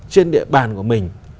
trên địa bàn của mình